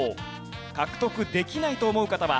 獲得できないと思う方は＃